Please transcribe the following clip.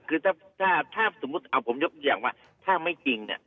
คือถ้าสมมุติเอาผมยกตัวอย่างว่าถ้าไม่จริงเนี่ย